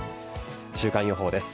週間予報です。